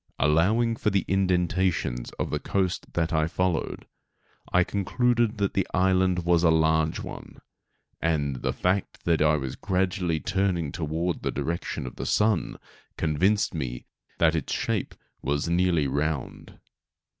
Allowing for the indentations of the coast that I followed, I concluded that the island was a large one; and, the fact that I was gradually turning toward the direction of the sun convinced me that its shape was nearly round.